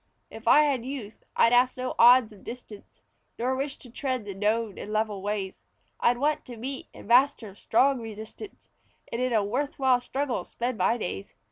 If I had youth I'd ask no odds of distance, Nor wish to tread the known and level ways. I'd want to meet and master strong resistance, And in a worth while struggle spend my days.